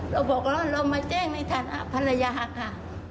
เราบอกแล้วเรามาแจ้งในฐานะภรรยาค่ะ